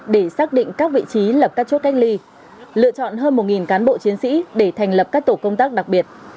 để xác định các vị trí lập các chốt cách ly lựa chọn hơn một cán bộ chiến sĩ để thành lập các tổ công tác đặc biệt